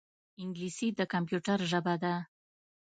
انګلیسي د کمپیوټر ژبه ده